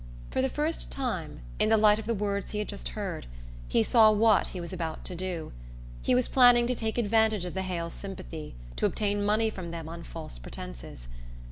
For the first time, in the light of the words he had just heard, he saw what he was about to do. He was planning to take advantage of the Hales' sympathy to obtain money from them on false pretences.